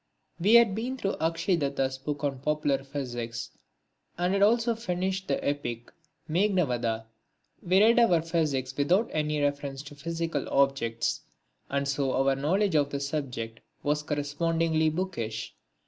We had been through Akshay Datta's book on Popular Physics, and had also finished the epic of Meghnadvadha. We read our physics without any reference to physical objects and so our knowledge of the subject was correspondingly bookish.